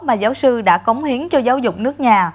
mà giáo sư đã cống hiến cho giáo dục nước nhà